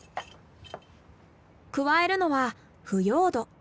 加えるのは腐葉土。